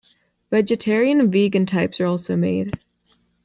Vegetarian and vegan types are also made.